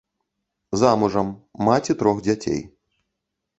Замужам, маці трох дзяцей.